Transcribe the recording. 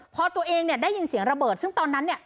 พอตัวเองเนี่ยได้ยินเสียงระเบิดซึ่งตอนนั้นเนี่ย